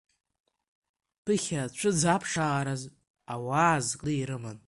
Ԥыхьа ацәыӡ аԥшаараз ауаа азкны ирыман.